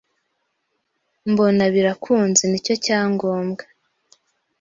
mbona birakunze ni cyo cyangombwa